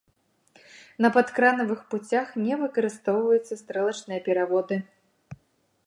На падкранавых пуцях не выкарыстоўваюцца стрэлачныя пераводы.